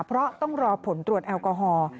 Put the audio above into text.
เพราะต้องรอผลตรวจแอลกอฮอล์